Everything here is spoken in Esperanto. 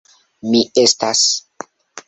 Mi estas.